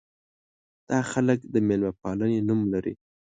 دا خلک د مېلمه پالنې نوم لري.